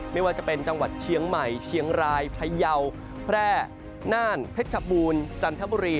ไม่ว่าจะเป็นจังหวัดเชียงใหม่เชียงรายพยาวแพร่น่านเพชรชบูรณ์จันทบุรี